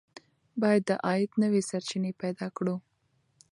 باید د عاید نوې سرچینې پیدا کړو.